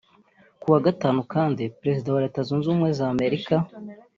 Ku wa gatanu kandi Perezida wa Leta Zunze Ubumwe za Amerika